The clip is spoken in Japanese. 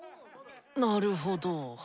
なるほど！